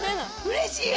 うれしい。